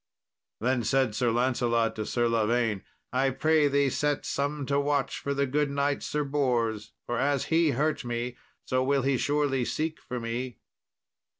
Then said Sir Lancelot to Sir Lavaine, "I pray thee set some to watch for the good knight Sir Bors, for as he hurt me, so will he surely seek for me."